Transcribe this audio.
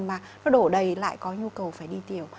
mà nó đổ đầy lại có nhu cầu phải đi tiểu